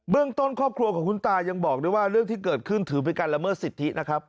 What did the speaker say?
เรื่องต้นครอบครัวของคุณตายังบอกด้วยว่าเรื่องที่เกิดขึ้นถือเป็นการละเมิดสิทธินะครับ